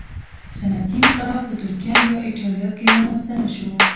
صنعتي انقلاب په ترکیه یا اېټالیا کې رامنځته نه شو